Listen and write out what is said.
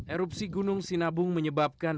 erupsi gunung sinabung menyebabkan